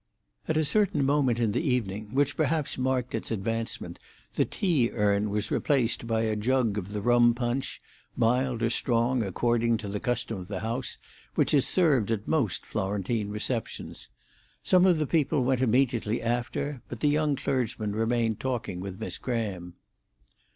At a certain moment in the evening, which perhaps marked its advancement, the tea urn was replaced by a jug of the rum punch, mild or strong according to the custom of the house, which is served at most Florentine receptions. Some of the people went immediately after, but the young clergyman remained talking with Miss Graham.